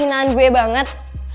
bener penghinaan gue banget